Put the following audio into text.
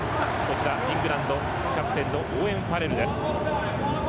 イングランドのキャプテンのオーウェン・ファレルです。